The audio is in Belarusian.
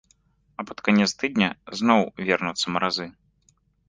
А пад канец тыдня зноў вернуцца маразы.